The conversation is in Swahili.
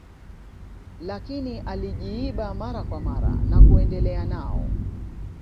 lakini alijiiba mara kwa mara na kuendelea nao